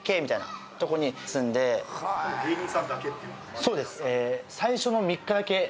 そうです。